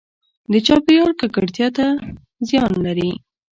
د چاپیریال ککړتیا څه زیان لري؟